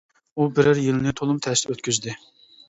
ئۇ بىرەر يىلنى تولىمۇ تەستە ئۆتكۈزدى.